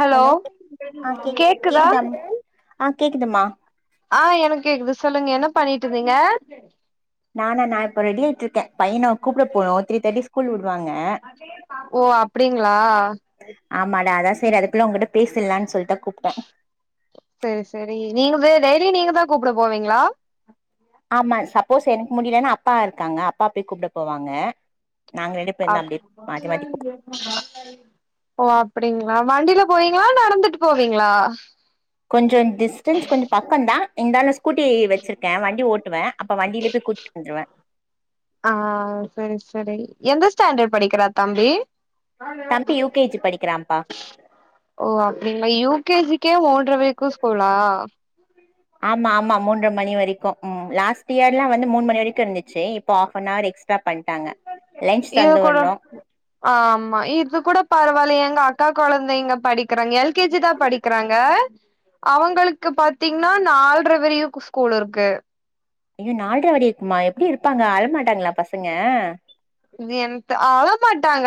Hello ஆ கேக் கேக்குதா ஆ கேக்குதுமா ஆ எனக்கு கேக்குது சொல்லுங்க என்ன பண்ணிட்ருந்தீங்க நானா நா இப்ப ரெடியாய்ட்டுருக்கே பையன கூப்ட போனு த்ரீ தேர்டி ஸ்கூல் விடுவாங்க ஓ அப்டிங்ளா ஆமாடா அதா செரி அதுக்குள்ள உங்ககிட்ட பேசலான்னு சொல்ட் தா கூப்ட்ட செரி செரி நீங்க டெய்லி நீங்க தா கூப்ட போவீங்ளா ஆமா சப்போஸ் எனக்கு முடிலன்னா அப்பா இருக்காங்க அப்பா போய் கூப்ட போவாங்க நாங்க ரெண்டுப் பேரு தா அப் அப்டி மாத்தி மாத்தி ஓ அப்டிங்ளா வண்டில போவீங்ளா நடந்துட்டு போவீங்ளா கொஞ்சொ டிஸ்டன்ஸ் கொஞ்ச பக்கம் தா இந்தாலு கூட்டி வச்ருக்கே வண்டி ஓட்டுவே அப்ப வண்டிலேயே போய் கூட்டு வந்ருவே ஆ சரி சரி எந்த ஸ்டாண்டர்ட் படிக்றா தம்பி தம்பி யூ கே ஜி படிக்றாப்பா ஓ அப்டிங்ளா யூ கே ஜி கே மூன்ற வரிக்கு ஸ்கூலா ஆமா ஆமா மூன்ற மணி வரைக்கு ம் லாஸ்ட் இயர் லா வந்து மூனு மணி வரைக்கு இருந்துச்சி இப் ப ஹாஃப் அன் அவர் எக்ஸ்ட்ரா பண்ட்டாங்க லன்ஞ்ச் இது தந்து கூட விணும் ஆமா இது கூட பரவால்ல எங்க அக்கா கொழந்தைங்க படிக்றாங்க எல் கே ஜி தா படிக் க்கறாங்க அவுங்களுக்கு பாத்தீங்ன்னா நால்ர வரியுக்கு ஸ்கூல் இருக்கு ஐயோ நால்ர வரியு இருக்குமா எப்டி இருப்பாங்க அழமாட்டாங்ளா பசங்க இது என்ட அழ மாட்டாங்க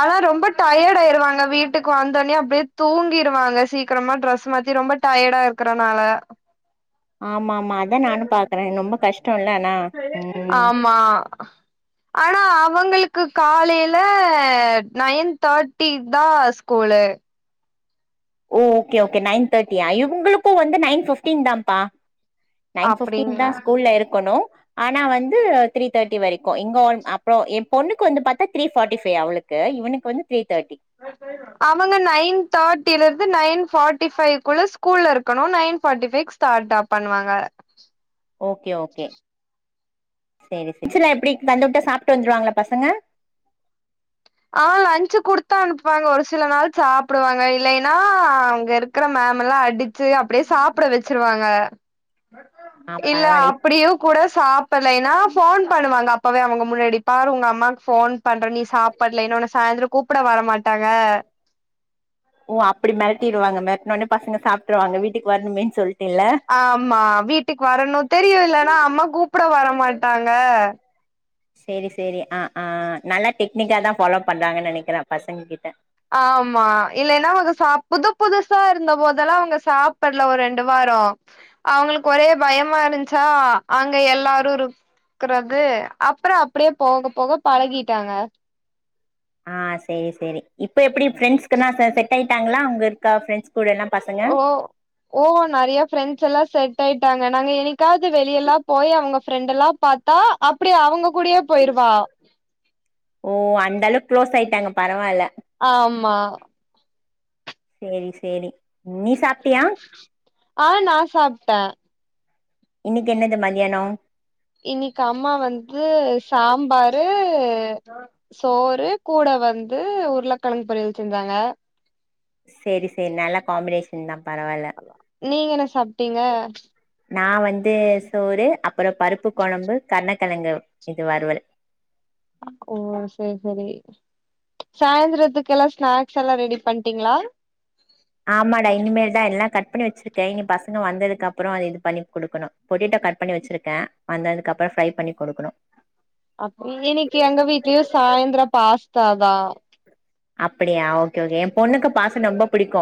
ஆனா ரொம்ப டயர்ட் ஆயிருவாங்க வீட்டுக்கு வந்தோனே அப்டியே தூங்கிருவாங்க சீக்கிரமா ட்ரெஸ் மாத்தி ரொம்ப டயர்டா இருக்கறனால ஆமா ஆமா அதா நானும் பாக்குற ரொம்ப கஷ்டல்ல ஆனா ம் ஆமா ஆனா அவுங்களுக்கு காலையில நைன் தேட்டி தான் ஸ்கூலு ஓ ஓகே ஓகே நைன் தேர்டியா இவுங்களுக்கு வந்து நைன் பிஃப்டின் தான்பா நைன் பிஃப்டீன் அப்டிங்களா தான் ஸ்கூல்ல இருக்கணு ஆனா வந்து த்ரீ தேர்ட்டி வரிக்கு இங்க அப்ரோ என் பொண்ணுக்கு வந்து பாத்தா த்ரீ ஃபாடி ஃபைவ் அவளு க்கு இவனுக்கு வந்து த்ரீ தேட்டி அவங்க நைன் தேட்டில இருந்து நைன் ஃபாட்டி ஃபைவ் குள்ள ஸ்கூல்ல இருக்கணு நைன் பார்டி ஃபைவ் டாடா பண்ணுவாங்க லன்ச் லா எப்டி தந்துவுட்டா சாப்ட்டு வந்துருவாங்ளா பசங்க ஆ லன்சு குடுத்தனுப்புவாங்க ஒரு சில நாள் சாப்டுவாங்க இல்லேன்னா அவுங்க இரு க்கற மேம் எல்லா அடுச்சு அப்டியே சாப்ட வச்சுருவாங்க ஆ இல்ல பரவால்ல இப் அப்புடியு கூட சாப்பலேன்னா ஃபோன் பண்ணுவாங்க அப்பவே அவுங்க முன்னாடி பாரு ஒங்க அம்மாக்கு ஃபோன் பண்றே நீ சாப் இன்னோன்னு சாய்ந்தரோ கூப்புட வர மாட்டாங்க ஓ அப்டி மெரட்டிடுவாங்க மெரட்னோனே பசங்க சாப்ட்ருவாங்க வீட்டுக்கு வரனுமேன் சொல் ஆமா வீட்டுக்கு வரணு தெரியு இல்லனா அம்மா கூப்புட வரமாட்டாங்க சேரி சேரி ஆ ஆ நல்லா டெக்னிக்கா தா ஃபாலோ பண்றாங்கன்தா நெனைக்கிறே பசங்க கிட்ட ஆமா இல்லேன்னா வந்து சாப் புது புதுசா இருந்த போதல்லா அவுங்க சாப்பல்ல ஒரு ரெண்டு வாரோ அவுங்களுக்கு ஒரே பயமா இருந்ச்சா அங்க எல்லாரு இரு குறது அப்பறோ அப்டியே போக போக பழகிட்டாங்க ஆ சேரி சேரி இப்ப எப்டி ஃப்ரண்ட்ஸ்குலா செ செட் ஆயிட்டாங்களா அங்க இருக்கா ஃப்ரெண்ட்ஸ் கூடெல்லா பசங்க ஓ ஓ நெறைய ஃப்ரெண்ட்ஸல்லா செட் ஆயிட்டாங்க நாங்க என்னைக்காவது வெளியல்லா போய் அவுங்க ஃப்ரெண்டல்லா பாத்தா அப்டியே அவுங்க கூடயே போயிருவா ஓ அந்தளவு க்ளோஸ் ஆயிட்டாங்க பரவால்ல ஆமா சேரி சேரி நீ சாப்டியா ஆ நா சாப்ட்டே இன்னக்கி என்னது மதியானோ இன்னக்கி அம்மா வந்து சாம்பாரு சோறு கூட வந்து உருளக்கெழங்கு பொரியல் செஞ்சாங்க சேரி சேரி நல்ல காம்பினேஷன் தா பரவால்ல நீங்க என்ன சாப்ட்டீங்க நா வந்து சோறு அப்பறோ பருப்பு கொழம்பு கர்ணக்கெழங்கு இது வருவல் ஓ சேர் சேரி சாய்ந்தரத்துக்கெல்லா ஸ்நாக்ஸ் எல்லா ரெடி பண்ட்டீங்ளா ஆமாடா இனிமேல் தா எல்லா கட் பண்ணி வச்சுருக்கே இனி பசங்க வந்ததுக்கு அப்றோ அது இது பண்ணி குடுக்கனு பொட்டேட்டோ கட் பண்ணி வச்சுருக்கே வந்ததுக்கப்பறோ ஃப்ரை பண்ணி குடுக்கனு அப் இன்னக்கி எங்க வீட்லயு சாய்ந்தரோ பாஸ்தா தா அப்படியா ஓகே ஓகே ஏ பொண்ணுக்கு பாஸன்னா ரொம்ப புடிக்கு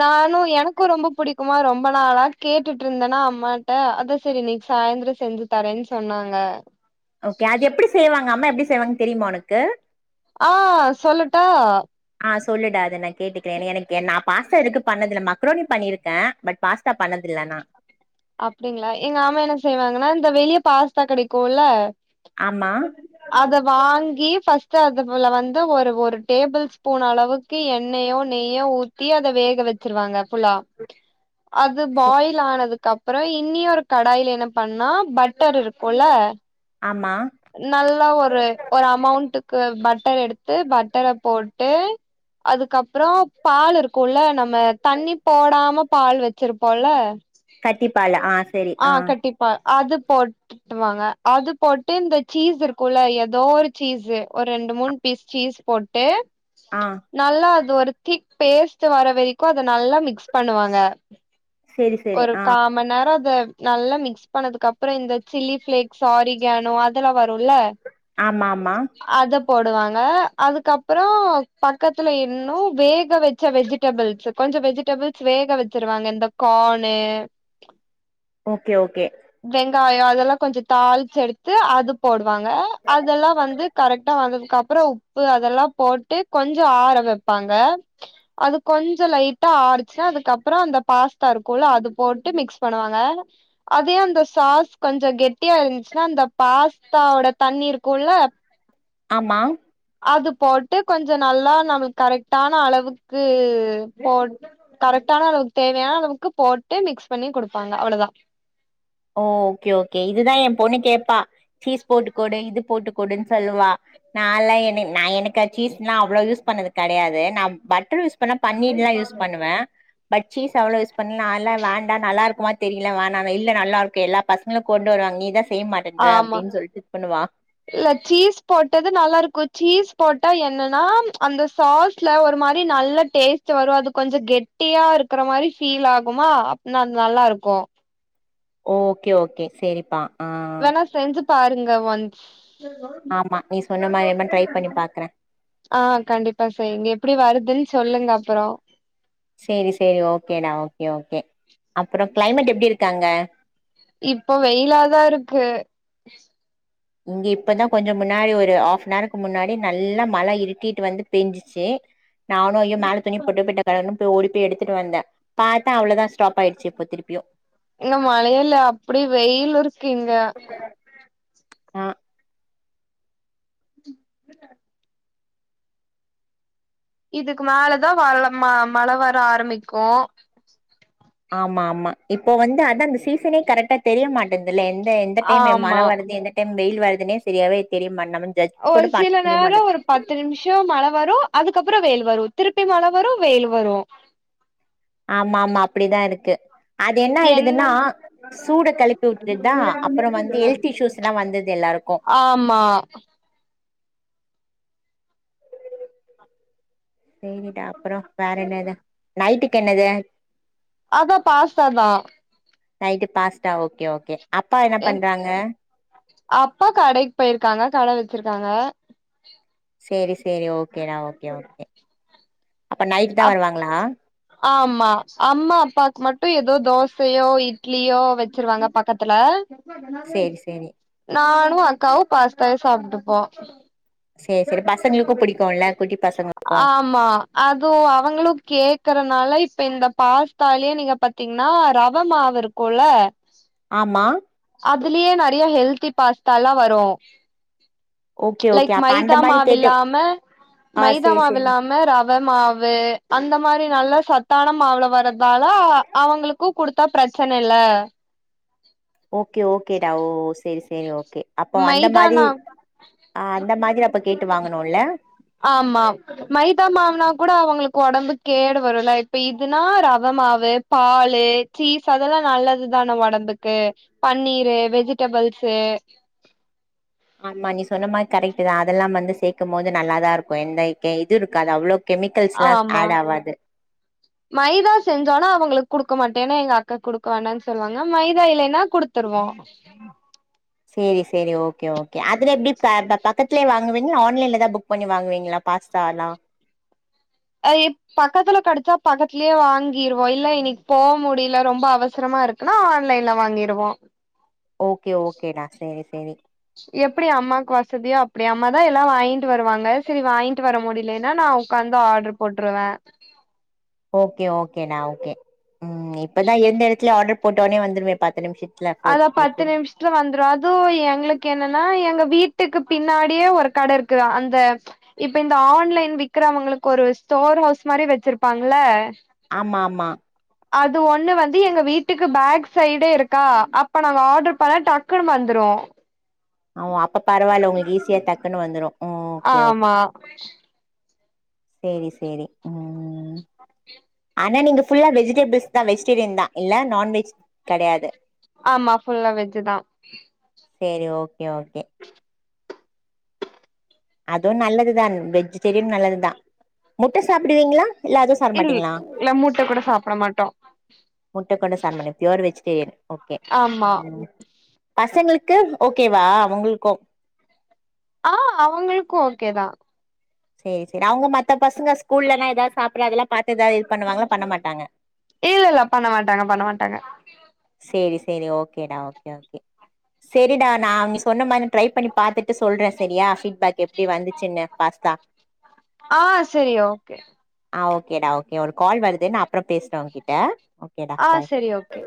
நானு எனக்கு ரொம்ப புடிக்குமா ரொம்ப நாளா கேட்டுட்டு இருந்தனா அம்மாட்ட அதா செரி இன்னக்கி சாய்ந்தரோ செஞ்சு தரேன் சொன்னாங்க ஓகே அது எப்டி செய்வாங்க அம்மா எப்டி செய்வாங்கன் தெரியுமா ஒனக்கு ஆ சொல்லட்டா அ சொல்லுடா அது நா கேட்டுக்குறே ஏனா எனக்கு நா பாஸ்தா எடுத்து பண்ணதில்ல மக்ரோனி பண்ணிருக்கே பட் பாஸ்தா பண்ணதில்ல ஆனா அப்டிங்களா எங்க அம்மா என்ன செய்வாங்கன்னா இந்த வெளிய பாஸ்தா கெடைக்குல்ல ஆமா அத வாங்கி ஃபர்ஸ்ட்டு அது புல வந்து ஒரு ஒரு டேபுள் ஸ்பூன் அளவு கி எண்ணயோ நெய்யோ ஊத்தி அத வேக வச்சுருவாங்க ஃபுலா அது சரி. பாயில் ஆனது கப்பறோ இன்னியொரு கடாய்ல என்ன பண்ணா பட்டர் இருக்குல ஆமா நல்லா ஒரு ஒரு அமௌண்ட்டுக்கு பட்டர் எடுத்து பட்டரப் போட்டு அதுக்கப்றோ பால் இருக்குல்ல நம்ம தண்ணி போடாம பால் வச்சிருப்போல்ல கட்டிப்பால் ஆ செரி ஆ பா அது போட்டுட்டுவாங்க அது போட் டு இந்த சீஸ் இருக்குல்ல எதோ ஒரு சீஸ்ஸு ஒர் ரெண்டு மூண் பீஸ் சீஸ் போட்டு அ நல்லா அது ஒரு திக் பேஸ்ட்டு வர வெரிக்கு அத நல்லா மிக்ஸ் பண்ணுவாங்க சரி சரி ஒரு ஆ காமண் நேர் அத நல்லா மிக்ஸ் பண்ணதுக்கு அப்புற இந்த சில்லி ஃப்ளேக்ஸ் ஆரிகானோ அதல்லா வருல்ல ஆம்மாமா அத போடுவாங்க அதுக்கப்புறோ பக்கத்துல இன்னு வேக வெச்ச வெஜிட் டபுள்ஸு கொஞ்ச வெஜிடபுள்ஸ் வேக வச்சிருவாங்க இந்த கானு ஓகே ஓகே வெங்காயோ அதெல்லா கொஞ்சோ தாள்ச்சு எடுத்து அது போடுவாங்க அதல்லா வந்து கரெக்டா வந்ததுக்கு அப்ற உ ப்பு அதெல்லா போட்டு கொஞ்சோ ஆற வெப்பாங்க அது கொஞ்ச லைட்டா ஆறுச்சா அதுக்கப்பறோ அந்த பாஸ்தா இருக்குல்ல அது போட்டு மிக்ஸ் பண்ணுவாங்க அதயு அந்த சாஸ் கொஞ்சோ கெட்டியா இருந்துச்சுனா அந்த பாஸ்தாவோட தண்ணி இருக்குல்ல ஆமா அதுப்போட்டு கொஞ்ச நல்லா நம்ம கரெக்டான அளவுக்கு போட் கரெக்டான அளவு தேவயான அளவுக்கு போட்டு மிக்ஸ் பண்ணி குடுப்பாங்க அவுளோதா ஓ ஓகே ஓகே இதுதா ஏ பொண்ணு கேப்பா சீஸ் போட்டுக் கொடு இது போட்டுக் கொடுன் சொல்லுவா நால்லா என நா எனக்கா சீஸ்ன்ல்லா அவ்ளோ யூஸ் பண்ணது கடயாது நா பட்டர் யூஸ் பன்னா பன்னீர்லா யூஸ் பண்ணுவ பட் சீஸ் அவ்ளோ யூஸ் பண்ண நால்ல வேண்டா நல்லா இருக்குமா தெரில வேணான்னு இல்ல நல்லாருக்கு எல்லா பசங்களு கொண்டு வராங்க நீ தா செய்ய மாட்டன்ற ஆமா அப்டின் சொல்ட்டு இது பண்ணுவா இல்ல சீஸ் போட்டது நல்லாருக்கோ சீஸ் போட்டா என்னனா அந்த சாஸ் ட்ல ஒரு மாரி நல்ல டேஸ்ட்டு வரு அது கொஞ்ச கெட்டியா இருக்கற மாரி ஃபீல் ஆகுமா நா அது நல்லாருக்கு ஓகே ஓகே சேரிப்பா ஆ வேணா செஞ்சி பாருங்க ஒன்ஸ் ஆமா நீ சொன்ன மாரி எம்மா ட்ரை பண்ணி பாக்குற ஆ கண்டிப்பா செய்க எப்புடி வருதுன்னு சொல்லுங்க அப்புறோ சேரி சேரி ஓகேடா ஓகே ஓகே அப்புற க்ளைமேட் எப்டி இருக்கு அங்க இப்போ வெயிலாதா இருக்கு இங்க இப்பதா கொஞ்ச முன்னாடி ஒரு ஹாப்னாருக்கு முன்னாடி நல்லா மழை இட்டிட்டு வந்து பேஞ்சிச்சு நானும் ஐயோ மேல துணிய போட்டு பிட்ட கடனு ஓ பே எடுத்துட்டு வந்த பாத்தா அவுளோதா ஸ்டாப் ஆயிட்ச்சு இப்ப திருப்பியு இங்க மழையல்ல அப்புடி வெய்யுல் இருக்கு இங்க ஆ [unintelligible] இதுக்கு மேலதா வல்ல ம மழை வர ஆரமிக்கு ஆமா ஆமா இப்போ வந்து அதா அந்த சீசனே கரெக்டட் தெரிய மாட்டேன்துல எந்த எந்த டைம் மழ ஆமா வருது எந்த டைம் வெய்யில் வருதுன்னே செரியாவே தெரியமாட் நமன் ஒரு சில நேரோ ஒரு பத்து நிம்ஷ் ஷோ மழ வரு அதுக்கப்புற வெயில் வரு திருப்பி மழ வரு வெயில் வரு ஆமாமா அப்டிதா இருக்கு அது என்ன ஆய்டுதுன்னா என்னன்னு சூட கெளப்பி வுட்டுருதா அப்பறோ வந்து ஹெல்த் இஷ்யூஸ்லா வந்துடுது எல்லாருக்கு ஆமா செய்திட்டு அப்பறோ வேற என்னது நைட்டுக்கு என்னது அதா பாஸ்தாதா நைட்டு பாஸ்தா ஓகே ஓகே அப்பா என்ன என் பண்றாங்க அப்பா கடைக்கு பெயிருக்காங்க கடை வச்சிருக்காங்க சேரி சேரி ஓகேடா ஓகே ஓகே அப்ப நைட்தா அப் வருவாங்களா ஆமா அம்மா அப்பாக்கு மட்டு எதோ தோசையோ இட்லியோ வெச்சிருவாங்க பக்கத்துல சேரி சேரி நானு அக்காவு பாஸ்தாவே சாப்ட்டுப்போ சேரி சேரி பசங்களுக்கு புடிக்குல குட்டி பசங்களுக்கு அது அவங்களு கேக்றனால இப்ப இந்த பாஸ்தாலியே நீங்க பத்தீங்க்னா ரவ மாவு இரு க்குல ஆமா அதுலியே நெறையா ஹெல்தி பாஸ்தாலா வரு ஓகே ஓகே லைக் அப்ப அந்த மைதா மாரி கேட்டு மாவில்லாம ஆ மைதா சேரி சேரி மாவில்லாம ர வ மாவு அந்த மாரி நல்லா சத்தான மாவுல வரதால அவங்களுக் கு குடுத்தா ப்ரச்சன இல்ல ஓகே ஓகே டா ஓ சேரி சேரி ஓகே அப்போ அந்த மாரி மைதானா ஆ அந்த மாரி அப்போ கேட்டு வாங்கணுல ஆமா மைதா மாவுனா கூட அவங்களுக்கு உடம்புக் கேடு வருல இப்ப இதுன்னா ரவ மாவு பாலு சீஸ் அதெல்லா நல்லதுதான ஒடம்புக்கு பன்னீரு வெஜ்டபுள்ஸு ஆமா நீ சொன்ன மாரி கரெக்ட்டு தா அதெல்லா வந்து சேக்கும் போது நல்லாதா இருக்கு எந்த கெ இது இருக்காது அவ்ளோக் கெமிக்கல்ஸ்லாஸ் ஆமா ஆட் ஆவாது மைதா செஞ்சாலு அவுங்களுக்கு குடுக்க மாட்டேன்னு எங்க அக்கா குடுக்க வேண்டானு சொல்லுவாங்க மைதா இல்லனா குடுத்துருவோ சேரி சேரி ஓகே ஓகே அதுல எப்டி ப பக்கத்துலயே வாங்குவீங்களா ஆன்லைன்லதா புக் பண்ணி வாங்குவீங்களா பாஸ்தாலா அது எப் பக்கத்துல கெடச்சா பக்கத்துலியே வாங்கிருவோ இல்ல இன்னிக்கு போ முடியில ரொம்ப அவசரமா இருக் குனா ஆன்லைன்ல வாங்கிருவோ ஓகே ஓகேடா சேரி சேரி எப்புடி அம்மாக்கு வசதியா அப்புடி அம்மாதா எல்லா வாங்கிட்டு வருவாங்க செரி வாங்கிட்டு வர முடியலேன்னா நா உக்காந்து ஆர்டர் போட்ருவே ஓகே ஓகேனா ஓகே ம் இப்பதா எந்த எடத்துலியு ஆர்டர் போட்டோனே வந்துருமே பத்து நிமிஷத் அதா பத்து நிமிஷ த்துல வந்துரு அதுவு எங்க்ளுக்கு என்னன்னா எங்க வீட்டுக்கு பின்னாடியே ஒரு கட இருக்குதா அந்த இப்ப இந்த ஆன்லைன் விக்கிறவங்களுக்கு ஒரு ஸ்டோர் ஹவுஸ் மாரி வச்சிருப்பாங்கள்ள ஆமாமா அது ஒன்னு வந்து எங்க வீட்டுக்கு பேக் சைடு இருக்கா அப்ப நாங்க ஆட்ரு பண்ணா டக்குன்னு வந்துரு ஆ அப்ப பரவாயில்ல உங்களுக்கு ஈஸியா டக்குன்னு வந்துரு ஓகே ஓகே ஆமா சேரி சேரி ம் ஆனா நீங்க ஃபுல்லா வெஜிடேபிள்ஸ் தா வெஜிடேரியன் தா இல்ல நான்வெஜ் கெடையாது ஆமா ஃபுல்லா வெஜ்ஜு தா சேரி ஓகே ஓகே அதுவு நல்லதுதா வெஜிடேரியனு நல்லதுதா முட்ட சாப்டுவீங்களா இல்ல அதுவு சாப்ட இல் மாட்டீங்களா இல்ல மூட்ட கூட சாப்ட மாட்டோ முட்ட கூட சாப்பட மாட்டிக பியூர் ஆமா வெஜிடேரியன் பசங்களுக்கு ஓகேவா அவுங்களுக்கு ஆ அவுங்களுக்கும் ஓகே தா சேரி சேரி அவுங்க மத்த பசங்க ஸ்கூல்லலல்லாம் எதாவது சாப்ழ்டற அதெல்லாம் வ் ஏதாவது பண்ணுவாங்களலாம் பண்ண மாட்டாங்க இல்ல இல்ல பண்ண மாட்டாங்க பண்ண மாட்டாங்க சேரி சேரி ஓகேடா ஓகே ஓகே ஆ சேரிடா நா அவி நீ சொன்ன மாரி ட்ரை பண்ணி பாத்துட்டு சொல்றே சரியா ஃபீட்பேக் எப்படி வந்துச்சுன்னு பாஸ்தா ஆ சேரி ஓகே ஆ ஓகேடா ஓகே ஒரு கால் வருது நா அப்புறோ பேசுற உங்க்கிட்ட ஆ செரி ஓகே